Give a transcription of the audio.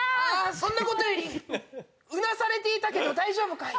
そんなことよりうなされていたけど大丈夫かい？